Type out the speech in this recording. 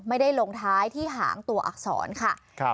ไม่ได้ลงท้ายที่หางตัวอักษรค่ะ